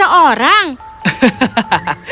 apakah kau mencuri angsa emas seseorang